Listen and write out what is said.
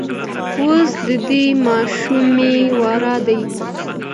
اوس د دې ماشومې وار دی.